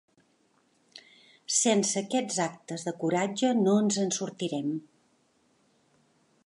Sense aquests actes de coratge no ens en sortirem.